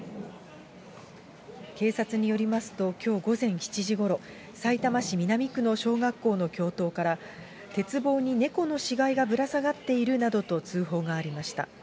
警察によりますと、きょう午前７時ごろ、さいたま市南区の小学校の教頭から、鉄棒に猫の死骸がぶら下がっているなどの通報がありました。